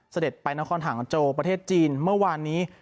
เสด็จไปนครหางโจประเทศจีนเมื่อวานนี้